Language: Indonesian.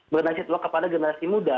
mengingat kepada generasi muda